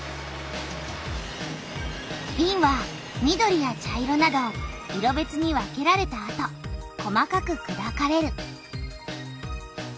びんは緑や茶色など色べつに分けられたあと細かくくだかれる。